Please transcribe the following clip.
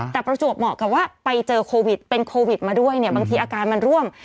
แต่ประจวบเหมาะกับว่าไปเจอโควิดเป็นโควิดมาด้วยเนี่ยบางทีอาการมันร่วม